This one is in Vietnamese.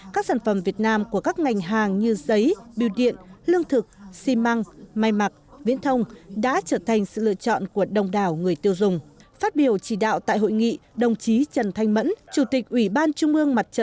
các sản phẩm việt nam của các ngành hàng như giấy biểu điện lương thực xi măng mai mặc